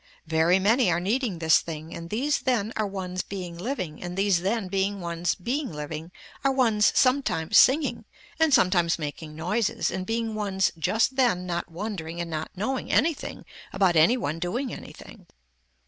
Very many are needing this thing and these then are ones being living and these then being ones being living are ones sometimes singing and sometimes making noises in being ones just then not wondering and not knowing anything about any one doing anything.